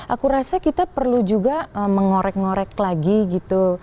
aku rasa kita perlu juga mengorek ngorek lagi gitu